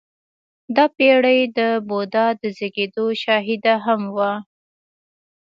• دا پېړۍ د بودا د زېږېدو شاهده هم وه.